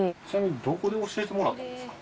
どこで教えてもらったんですか？